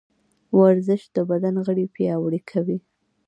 ورزش د بدن غړي پیاوړي کوي.